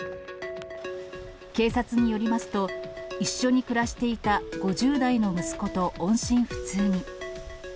警察によりますと、一緒に暮らしていた５０代の息子と音信不通に。